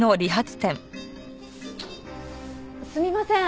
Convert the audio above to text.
すみません。